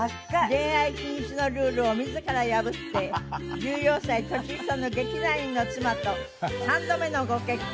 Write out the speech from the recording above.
恋愛禁止のルールを自ら破って１４歳年下の劇団員の妻と３度目のご結婚！